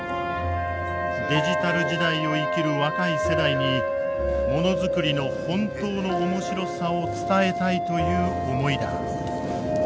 デジタル時代を生きる若い世代にものづくりの本当の面白さを伝えたいという思いだ。